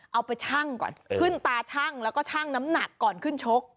เอาไปชั่งก่อนขึ้นตาชั่งแล้วก็ชั่งน้ำหนักก่อนขึ้นชก